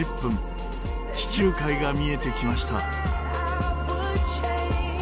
地中海が見えてきました。